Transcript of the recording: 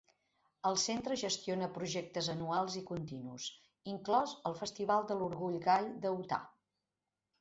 El centre gestiona projectes anuals i continus, inclòs el Festival de l'Orgull Gai de Utah.